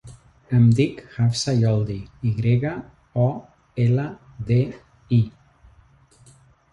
Em dic Hafsa Yoldi: i grega, o, ela, de, i.